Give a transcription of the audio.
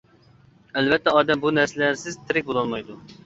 ئەلۋەتتە ئادەم بۇ نەرسىلەرسىز تىرىك بولالمايدۇ.